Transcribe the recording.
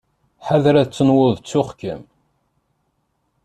Ḥader ad tenwuḍ ttuɣ-kem!